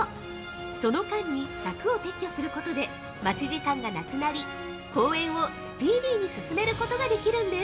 その間に柵を撤去することで待ち時間がなくなり、公演をスピーディーに進めることができるんです！